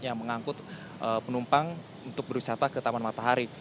yang mengangkut penumpang untuk berwisata ke taman matahari